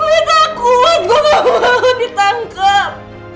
gua takut gua ngga mau ditangkap